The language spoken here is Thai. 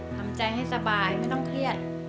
ทำใจให้สบายไม่ต้องเครียด